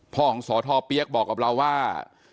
พ่อของสทเปี๊ยกบอกกับเราว่า